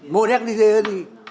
mô nét đi dê đi